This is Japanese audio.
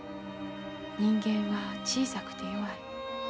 人間は小さくて弱い。